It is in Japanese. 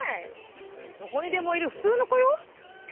どこにでもいる普通の子よ。